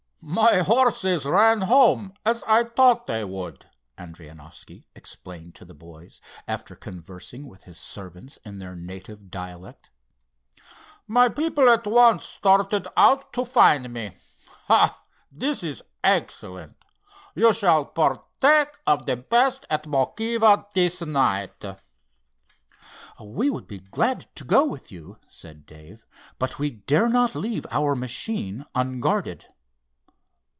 "My horses ran home, as I thought they would," Adrianoffski explained to the boys, after conversing with his servants in their native dialect. "My people at once started out to find me. Ah, this is excellent. You shall partake of the best at Mokiva this night." "We would be glad to go with you," said Dave, "but we dare not leave our machine unguarded."